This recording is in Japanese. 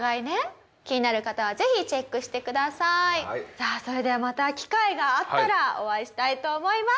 さあそれではまた機会があったらお会いしたいと思います。